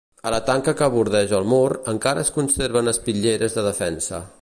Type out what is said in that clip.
A la tanca que bordeja el mur, encara es conserven espitlleres de defensa.